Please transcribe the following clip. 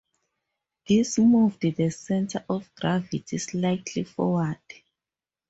This moved the center of gravity slightly forward.